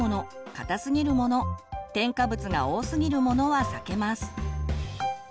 硬すぎるもの添加物が多すぎるものは避けます。